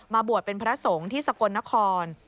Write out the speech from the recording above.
บวชเป็นพระสงฆ์ที่สกลนคร